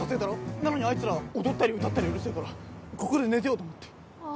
なのにあいつら踊ったり歌ったりうるせえからここで寝てようと思ってああ